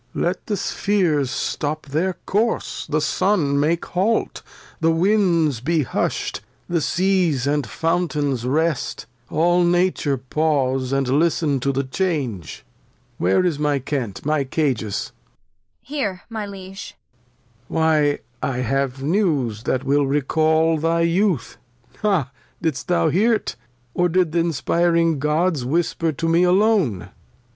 Let the Spheres stop their Course, the Sun make Hault, The Winds be husht, the Seas and Fountains rest ; All Nature pause, and listen to the Change. Where is my Kent, my Cajus .^ Kent. Here, my Liege. Lear. Why I have News that will recal thy Youth ; Ha ! Didst thou hear't, or did th' inspiring Gods Whisper to me alone